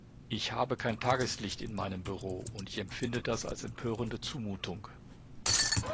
Ich habe kein Tageslicht in meinem Büro, und ich empfinde das als empörende Zumutung!